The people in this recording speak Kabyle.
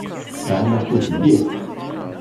Tesɛam akud mliḥ.